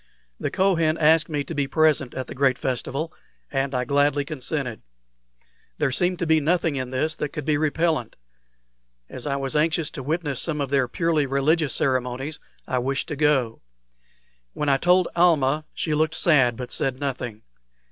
The Kohen asked me to be present at the great festival, and I gladly consented. There seemed to be nothing in this that could be repellent. As I was anxious to witness some of their purely religious ceremonies, I wished to go. When I told Almah, she looked sad, but said nothing.